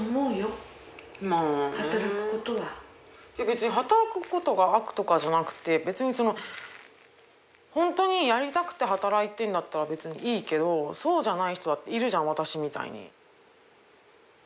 別に働くことが悪とかじゃなくてホントにやりたくて働いてんだったらいいけどそうじゃない人だっているじゃん私みたいに。